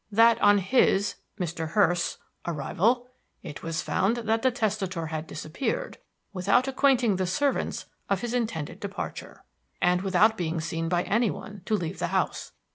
That on his Mr. Hurst's arrival it was found that the testator had disappeared without acquainting the servants of his intended departure, and without being seen by anyone to leave the house.